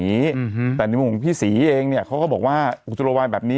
ถูกต้องถูกต้องถูกต้องถูกต้องถูกต้องถูกต้องถูกต้อง